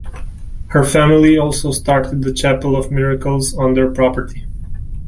Her family also started the Chapel of Miracles on their property.